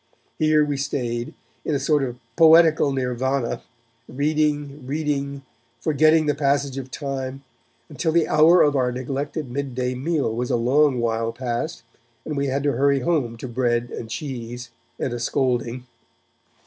Here we stayed, in a sort of poetical nirvana, reading, reading, forgetting the passage of time, until the hour of our neglected mid day meal was a long while past, and we had to hurry home to bread and cheese and a scolding.